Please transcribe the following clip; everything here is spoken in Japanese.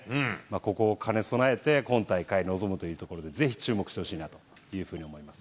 ここを兼ね備えて今大会臨むというところで、ぜひ注目してほしいなというふうに思います。